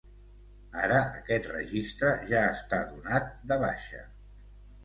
Ara aquest registre ja està donat de baixa.